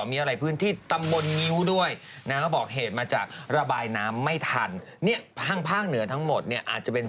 มีอะไรพื้นที่ตำบลงิ้วด้วย